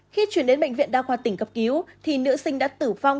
khi chuyển đến bệnh viện đa khoa tỉnh cấp cứu thì nữ sinh đã tử vong